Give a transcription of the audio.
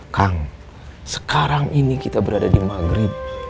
kang sekarang ini kita berada di maghrib